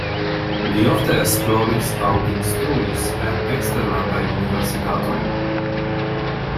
Li ofte esploris aŭ instruis en eksterlandaj universitatoj.